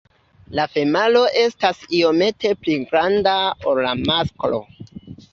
La femalo estas iomete pli granda ol la masklo.